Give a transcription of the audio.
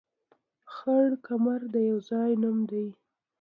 خړ کمر د يو ځاى نوم دى